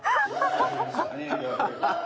ハハハハ！